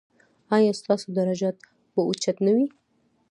ایا ستاسو درجات به اوچت نه وي؟